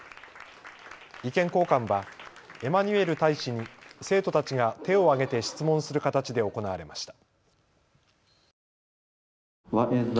意見交換はエマニュエル大使に生徒たちが手を挙げて質問する形で行われました。